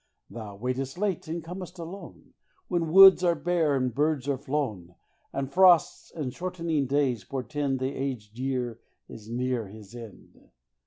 Thou waitest late and com'st alone, When woods are bare and birds are flown, And frosts and shortening days portend The aged year is near his end.